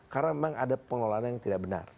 karena memang ada pengelolaan yang tidak benar